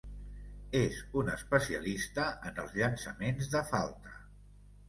És un especialista en els llançaments de falta.